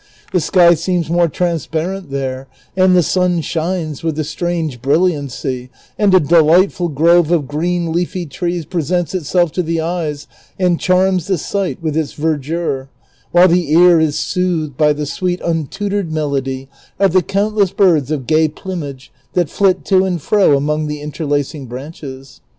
The sky seems more transparent there, and the sun shines with a strange brilliancy, and a delightful grove of green leafy trees presents itself to the eyes and charms the sight with its verdure, while the ear is soothed by the sweet imtutored melody of the countless birds of gay plumage that flit to and fro among the interlacing branches.